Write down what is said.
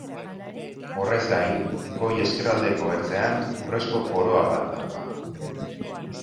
Horrez gain, goi-ezkerraldeko ertzean urrezko koroa bat dauka.